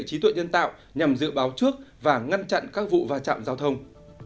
trí tuệ nhân tạo nhằm dự báo trước và ngăn chặn các vụ vào trạm giao thông